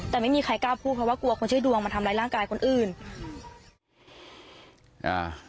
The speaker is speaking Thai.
แต่ไม่มีใครกล้าพูดเพราะว่ากลัวคนชื่อดวงมาทำร้ายร่างกายคนอื่นอืมอ่า